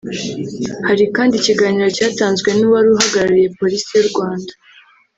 Hari kandi ikiganiro cyatanzwe n’uwari uhagarariye Polisi y’u Rwanda